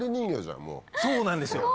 そうなんですよ！